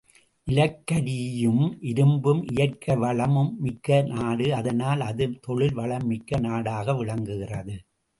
நிலக்கரி யும் இரும்பும் இயற்கை வளமும் மிக்க நாடு அதனால் அது தொழில் வளம் மிக்க நாடாக விளங்குகிறது.